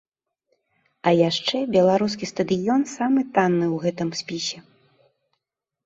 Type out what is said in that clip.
А яшчэ беларускі стадыён самы танны ў гэтым спісе.